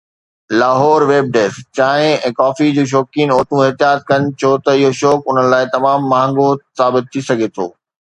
Lahore (web desk) چانهه ۽ coffee جو شوقين عورتون احتياط ڪن ڇو ته اهو شوق انهن لاءِ تمام مهانگو ثابت ٿي سگهي ٿو